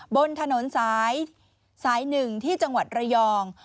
บนถนนสาย๑ที่จังหวัดระยอง